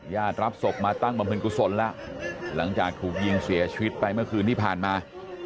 รับศพมาตั้งบำเพ็ญกุศลแล้วหลังจากถูกยิงเสียชีวิตไปเมื่อคืนที่ผ่านมา